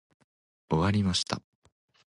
終わりました。